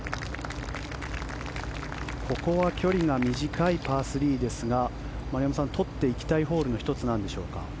ここは距離が短いパー３ですが丸山さん取っていきたいホールの１つなんでしょうか？